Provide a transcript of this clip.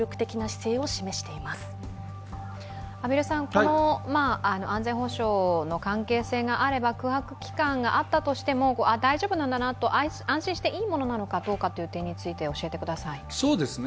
この安全保障の関係性があれば空白期間があったとしても大丈夫なんだなと安心していいものなのかどうかについて教えてください。